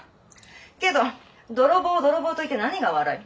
けど泥棒を泥棒と言って何が悪い？